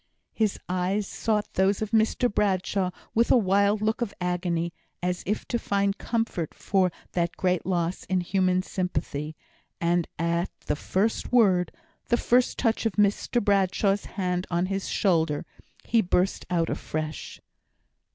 His eyes sought those of Mr Bradshaw with a wild look of agony, as if to find comfort for that great loss in human sympathy; and at the first word the first touch of Mr Bradshaw's hand on his shoulder he burst out afresh.